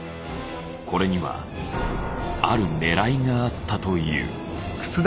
これにはある狙いがあったという。